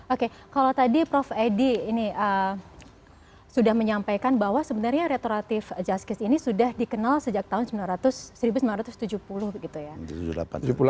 oke kalau tadi prof edi sudah menyampaikan bahwa sebenarnya retoratif justice ini sudah dikenal sejak tahun seribu sembilan ratus tujuh puluh begitu ya